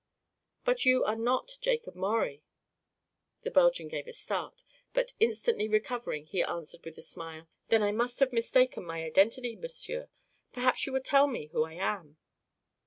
"But you are not Jakob Maurie." The Belgian gave a start, but instantly recovering he answered with a smile: "Then I must have mistaken my identity, monsieur. Perhaps you will tell me who I am?"